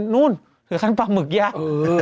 นู้นถือขันปลาหมึกย่าง